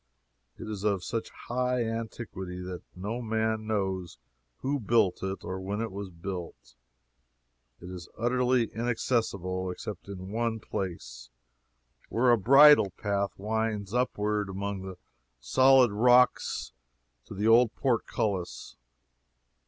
It is of such high antiquity that no man knows who built it or when it was built. It is utterly inaccessible, except in one place, where a bridle path winds upward among the solid rocks to the old portcullis.